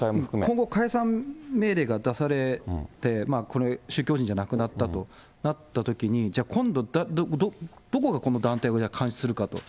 この解散命令が出されて、これ、宗教法人じゃなくなったとなったときに、じゃあ今度、どこがこの団体を監視するかと。